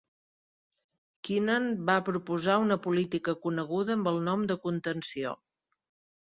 Kennan va proposar una política coneguda amb el nom de "contenció".